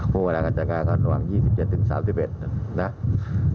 พวกเราจะจัดการกันระหว่าง๒๗ถึง๓๑